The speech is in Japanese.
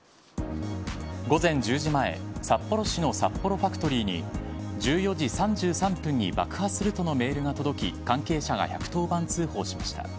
午前１０時前札幌市のサッポロファクトリーに１４時３３分に爆破するとのメールが届き関係者が１１０番通報しました。